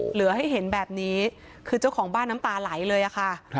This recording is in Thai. เหลือให้เห็นแบบนี้คือเจ้าของบ้านน้ำตาไหลเลยอะค่ะ